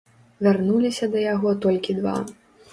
Вярнуліся да яго толькі два.